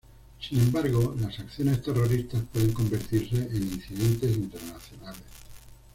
Sin embargo, las acciones terroristas pueden convertirse en incidentes internacionales.